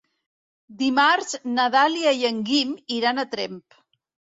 Dimarts na Dàlia i en Guim iran a Tremp.